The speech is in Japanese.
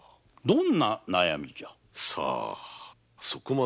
どんな悩みじゃ？